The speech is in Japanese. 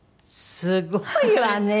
すごいわね！